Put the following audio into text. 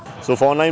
để chuẩn bị